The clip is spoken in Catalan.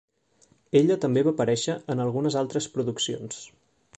Ella també va aparèixer en algunes altres produccions.